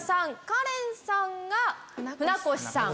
カレンさんが船越さん。